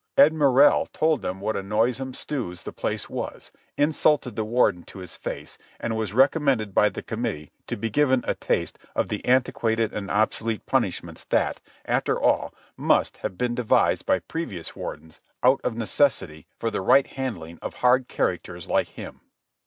Ed Morrell told them what a noisome stews the place was, insulted the Warden to his face, and was recommended by the committee to be given a taste of the antiquated and obsolete punishments that, after all, must have been devised by previous Wardens out of necessity for the right handling of hard characters like him.